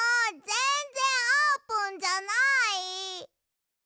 ぜんぜんあーぷんじゃない！